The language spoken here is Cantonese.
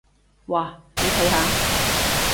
哇，你睇下！